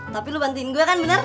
tapi lo bantuin gue kan bener